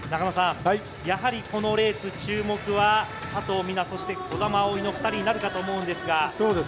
やはりこのレース、注目は佐藤水菜、そして児玉碧衣の２人になるかと思うんですが。